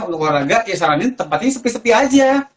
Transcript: untuk olahraga ya saranin tempat ini sepi sepi aja